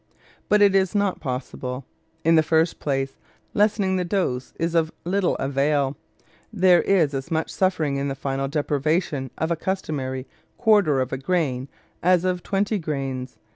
But it is not possible. In the first place, lessening the dose is of little avail; there is as much suffering in the final deprivation of a customary quarter of a grain as of twenty grains.